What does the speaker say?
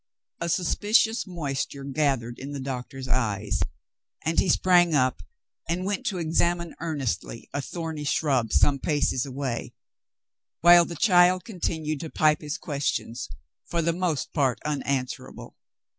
" A suspicious moisture gathered in the doctor's eyes, and he sprang up and went to examine earnestly a thorny shrub some paces away, while the child continued to pipe his questions, for the most part unanswerable.